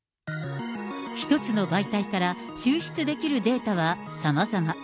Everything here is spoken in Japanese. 一つの媒体から抽出できるデータはさまざま。